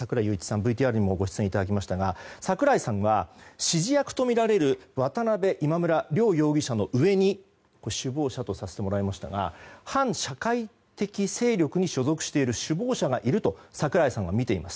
ＶＴＲにもご出演いただきましたが櫻井さんは指示役とみられる渡邉、今村両容疑者の上に首謀者とさせてもらいましたが反社会的勢力に所属している首謀者がいると櫻井さんはみています。